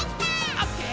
「オッケー！